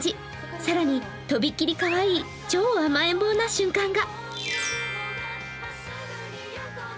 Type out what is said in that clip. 更にとびきりかわいい超甘えん坊な瞬間が。